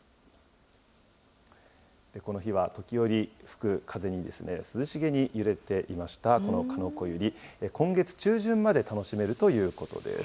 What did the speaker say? この日は時折吹く風に涼しげに揺れていました、このカノコユリ、今月中旬まで楽しめるということです。